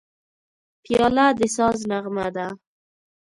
پیاله د ساز نغمه ده.